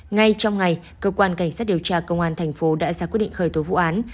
ngay trong ngày cơ quan cảnh sát điều tra công an thành phố đã ra quyết định khởi tố vụ án